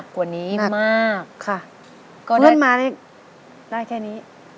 กระพริบตาได้